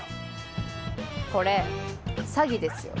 これ詐欺ですよ。